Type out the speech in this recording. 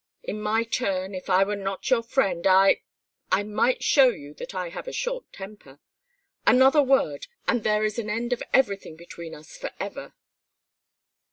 In my turn, if I were not your friend I I might show you that I have a short temper. Another word, and there is an end of everything between us forever!"